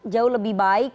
jauh lebih baik